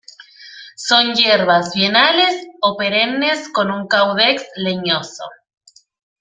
Son hierbas bienales o perennes con un caudex leñoso.